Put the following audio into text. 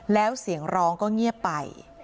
แล้วเสียงร้องก็เงียบไป